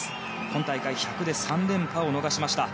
今大会、１００で３連覇を逃しました。